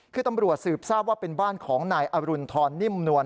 คือตำรวจสืบทราบว่าเป็นบ้านของนายอรุณฑรนิ่มนวล